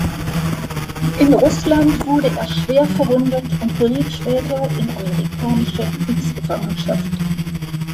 In Russland wurde er schwer verwundet und geriet später in amerikanische Kriegsgefangenschaft.